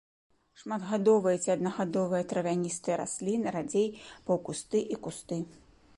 Шматгадовыя ці аднагадовыя травяністыя расліны, радзей паўкусты і кусты.